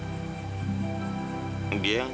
dan pada saat ketemu